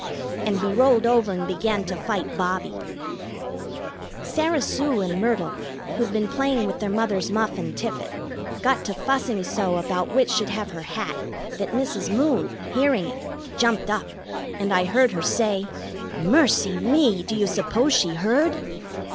And he rolled over and began to fight Bobbie. Sarah Sue and Myrtle, who'd been playing with their mother's muff and tippet, got to fussing so about which should have her hat that Mrs. Moon, hearing it, jumped up, and I heard her say: "Mercy me! Do you suppose she heard?"